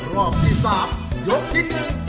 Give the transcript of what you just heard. รอบที่๓ยกที่๑เริ่ม